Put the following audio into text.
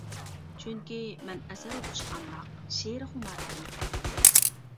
چۈنكى، مەن ئەسەر ئوقۇشقا ئامراق، شېئىر خۇمار ئىدىم.